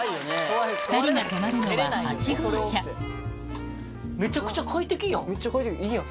２人が泊まるのは８号車めっちゃ快適いいやん。